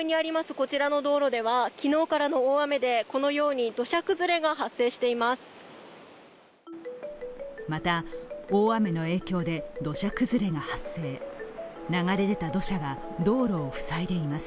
こちらの道路では、昨日からの大雨でこのように土砂崩れが発生しています。